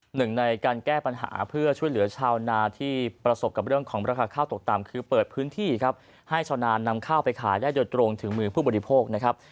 หนึ่งในการแก้ปัญหาเพื่อช่วยเหลือชาวนาที่ประสบกับเรื่องของราคาข้าวตกต่ำคือเปิดพื้นที่ครับให้ชาวนานำข้าวไปขายได้โดยตรงถึงมือผู้บริโภคนะครับ